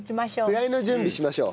フライの準備しましょう。